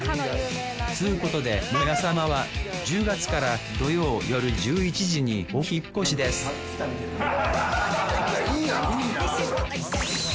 つうことで「モヤさま」は１０月から土曜よる１１時にお引越しですいやいいなぁ。